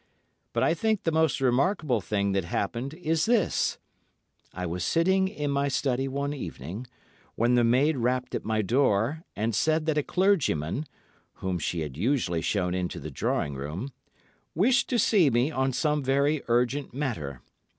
But I think the most remarkable thing that happened is this:—I was sitting in my study one evening, when the maid rapped at my door and said that a clergyman (whom she had shown into the drawing room) wished to see me on some very urgent matter.